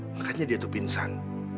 makanya dia tuh pingsan